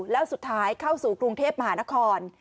แล้วสุดท้ายเข้าสู่กรุงเทพมหานคร